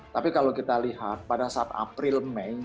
tapi kalau kita lihat pada saat april mei